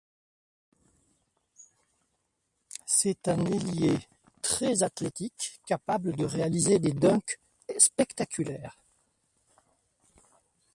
C'est un ailier très athlétique, capable de réaliser des dunks spectaculaires.